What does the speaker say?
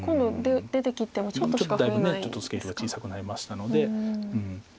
だいぶちょっとスケールが小さくなりましたので。